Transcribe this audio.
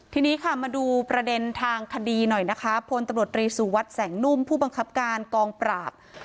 ที่นี่มาดูประเด็นทางคดีหน่อยนะคะพตศแสงนุ่มผู้บังคับการกองปราบ